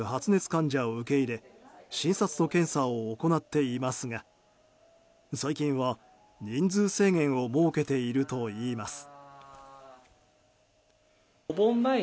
患者を受け入れ診察と検査を行っていますが最近は、人数制限を設けているといいます。